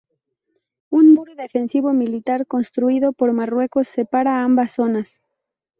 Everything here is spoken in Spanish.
Un muro defensivo militar construido por Marruecos separa ambas zonas.